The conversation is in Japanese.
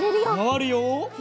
まわるよ。